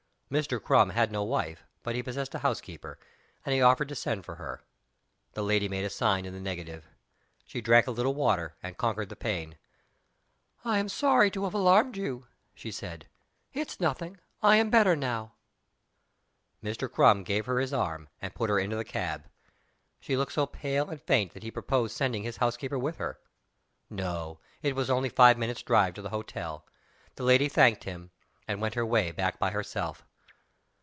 Mr. Crum had no wife; but he possessed a housekeeper and he offered to send for her. The lady made a sign in the negative. She drank a little water, and conquered the pain. "I am sorry to have alarmed you," she said. "It's nothing I am better now." Mr. Crum gave her his arm, and put her into the cab. She looked so pale and faint that he proposed sending his housekeeper with her. No: it was only five minutes' drive to the hotel. The lady thanked him and went her way back by herself.